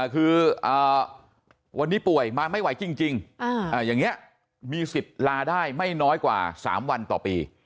คือวันนี้ป่วยมาไม่ไหวจริงอย่างนี้มีสิทธิ์ลาได้ไม่น้อยกว่า๓วันต่อปี